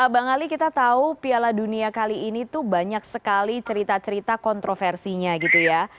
bang ali kita tahu piala dunia kali ini banyak sekali cerita cerita kontroversinya